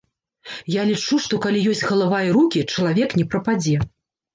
Я лічу, што калі ёсць галава і рукі, чалавек не прападзе.